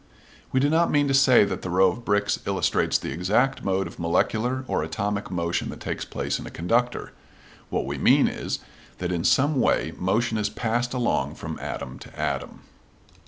We do not mean to say that the row of bricks illustrates the exact mode of molecular or atomic motion that takes place in a conductor. What we mean is, that in some way motion is passed along from atom to atom.